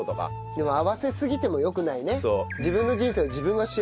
でも合わせすぎてもよくないね。